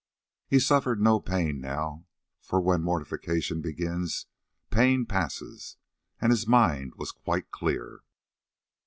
He suffered no pain now, for when mortification begins pain passes, and his mind was quite clear.